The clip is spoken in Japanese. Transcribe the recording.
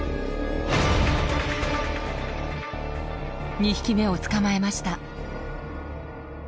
２匹目を捕まえました。